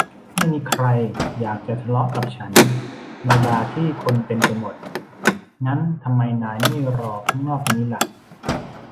ไม่มีใครอยากจะทะเลาะกับฉันในบาร์ที่คนเต็มไปหมด งั้นทำไมนายไม่รอข้างนอกนี้ล่ะ